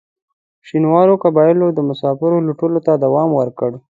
د شینوارو قبایلو د مسافرو لوټلو ته دوام ورکړ.